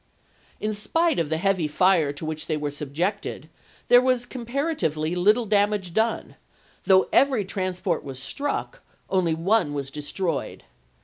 In spite of the heavy fire to which they were subjected, there was comparatively little damage done ; though every transport was struck, only one was destroyed.